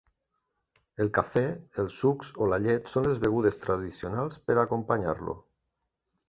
El cafè, els sucs o la llet són les begudes tradicionals per a acompanyar-lo.